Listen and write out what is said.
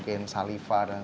di indonesia kaya apa